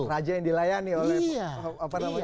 raja yang dilayani oleh apa namanya